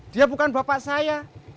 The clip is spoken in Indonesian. dia bukan bapak saya